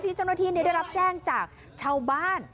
เจ้าหน้าที่ได้รับแจ้งจากชาวบ้าน